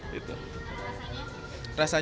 karena aku gampang lapar